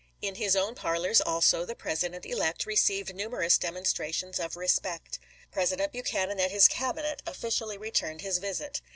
In his own parlors, also, the President elect re ceived numerous demonstrations of respect. Presi dent Buchanan and his Cabinet officially returned his visit.